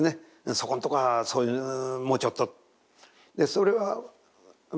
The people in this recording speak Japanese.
そこのところはそういうもうちょっと。